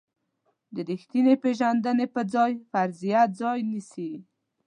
د ریښتینې پېژندنې په ځای فرضیې ځای نیسي.